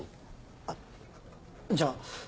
あっじゃあ。